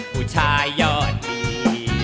ผู้ชายยอดดี